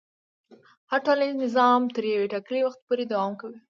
هر ټولنیز نظام تر یو ټاکلي وخته پورې دوام کوي.